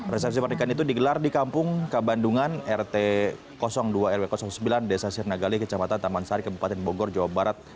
resepsi pernikahan itu digelar di kampung kabandungan rt dua rw sembilan desa sirnagale kecamatan taman sari kabupaten bogor jawa barat